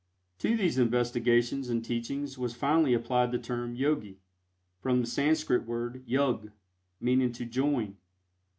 To these investigations and teachings was finally applied the term "Yogi," from the Sanscrit word "Yug," meaning "to join."